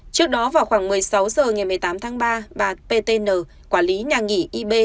trước đó vào khoảng một mươi sáu h ngày một mươi tám tháng ba bà ptn quản lý nhà nghỉ ib